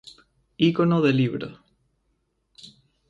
ícono de libro